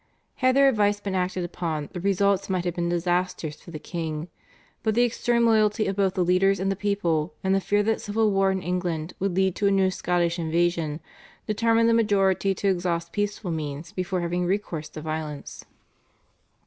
Had their advice been acted upon the results might have been disastrous for the king, but the extreme loyalty of both the leaders and people, and the fear that civil war in England would lead to a new Scottish invasion, determined the majority to exhaust peaceful means before having recourse to violence.